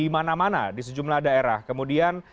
di mana mana di sejumlah daerah kemudian